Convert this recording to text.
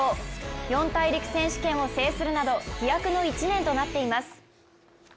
四大陸選手権を制するなど飛躍の１年となっています。